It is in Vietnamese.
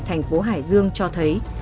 thành phố hải dương cho thấy